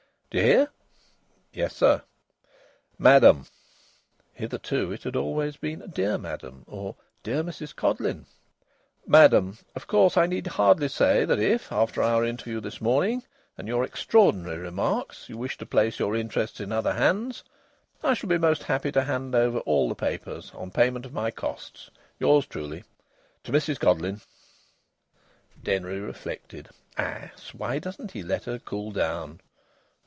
"Do you hear?" "Yes, sir." "MADAM" hitherto it had always been "Dear Madam," or "Dear Mrs Codleyn" "MADAM, Of course I need hardly say that if, after our interview this morning, and your extraordinary remarks, you wish to place your interests in other hands, I shall be most happy to hand over all the papers, on payment of my costs. Yours truly ... To Mrs Codleyn." Denry reflected: "Ass! Why doesn't he let her cool down?"